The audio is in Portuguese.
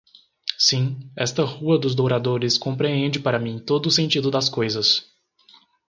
Sim, esta Rua dos Douradores compreende para mim todo o sentido das coisas